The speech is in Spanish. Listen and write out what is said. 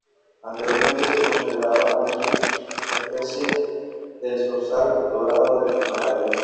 Anteriormente se consideraba una subespecie del zorzal dorado del Himalaya.